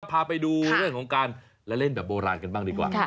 พาไปดูเรื่องของการเล่นแบบโบราณกันบ้างดีกว่า